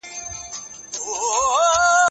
بيا دولتونه ړنګېږي.